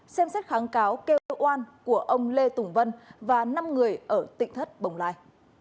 xem xét kháng cáo kêu oan của ông lê tùng vân và năm người ở tịnh thất bồng lai